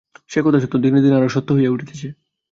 সে-কথা সত্য, দিনে দিনে আরও সত্য হইয়া উঠিতেছে।